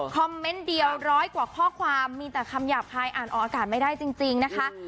เมนต์เดียวร้อยกว่าข้อความมีแต่คำหยาบคายอ่านออกอากาศไม่ได้จริงนะคะ